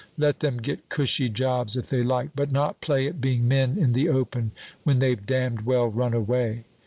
Let them get cushy jobs, if they like, but not play at being men in the open when they've damned well run away.